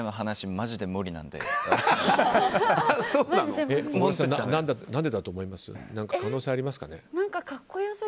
何でだと思います？